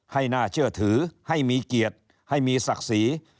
ให้น่าเชื่อถือให้มีเกียรติให้มีศักดิ์ศรี